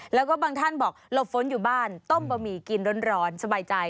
แล้วก็บางท่านบอกหลบฝนอยู่บ้านต้มบะหมี่กินร้อนสบายใจ